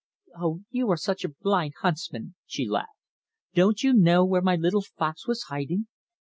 "Oh, you are such a blind huntsman!" she laughed. "Don't you know where my little fox was hiding?